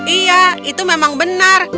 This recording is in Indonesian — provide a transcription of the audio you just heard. iya itu memang benar